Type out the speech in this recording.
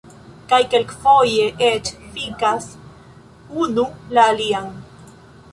Kaj kelkfoje eĉ fikas unu la alian